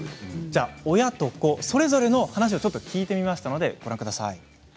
親と子それぞれの話を聞いてみました。